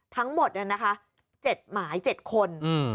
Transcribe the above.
ทั้งหมดเนี้ยนะคะเจ็ดหมายเจ็ดคนอืม